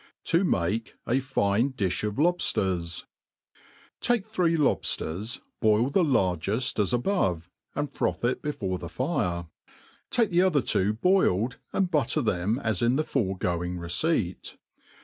To male a fine Dijb of Lobjiers. TAKE three lobfters, boil the largeft as above, and froth it before the fire. Take the other two boiled, and butter them as in the foregoing receipt.